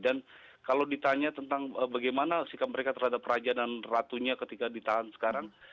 kalau ditanya tentang bagaimana sikap mereka terhadap raja dan ratunya ketika ditahan sekarang